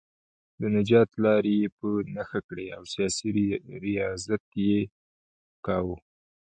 د نجات لارې یې په نښه کړې او سیاسي ریاضت یې کاوه.